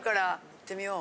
いってみよう。